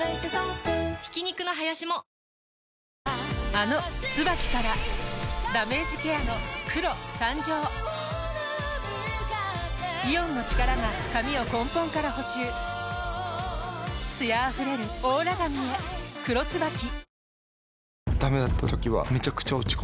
あの「ＴＳＵＢＡＫＩ」からダメージケアの黒誕生イオンの力が髪を根本から補修艶あふれるオーラ髪へ「黒ＴＳＵＢＡＫＩ」